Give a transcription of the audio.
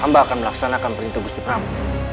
amba akan melaksanakan perintah gusti pramu